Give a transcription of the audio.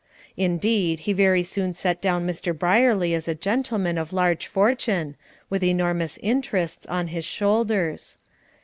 Indeed, he very soon set down Mr. Brierly as a gentleman of large fortune, with enormous interests on his shoulders.